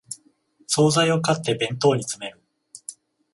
総菜を買って弁当に詰める